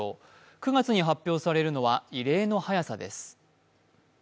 ９月に発表されるのは異例の早さです。